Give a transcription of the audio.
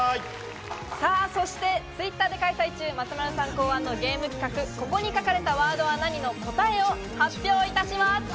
そしてＴｗｉｔｔｅｒで開催中、松丸さん考案のゲーム企画「ここに書かれたワードは何？」の答えを発表いたします。